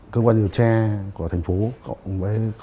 cơ quan điều tra của thành phố với cơ